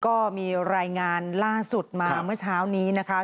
ก็มีรายงานล่าสุดมาเมื่อเช้านี้นะคะ